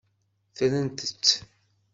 Ttrent-t.